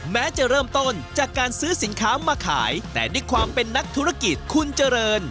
แม้จะเริ่มต้นจากการซื้อสินค้ามาขายแต่ด้วยความเป็นนักธุรกิจคุณเจริญ